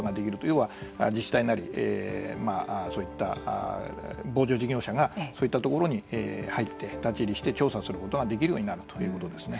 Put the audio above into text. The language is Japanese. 要は自治体なりそういった防除事業者がそういった所に入って立ち入りして調査することができるようになるということですね。